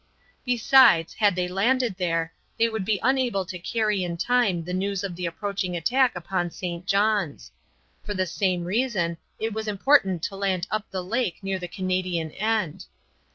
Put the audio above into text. Besides, had they landed there, they would be unable to carry in time the news of the approaching attack upon St. John's. For the same reason it was important to land up the lake near the Canadian end.